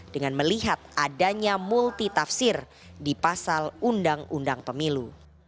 dengan melihat adanya multitafsir di pasal undang undang pemilu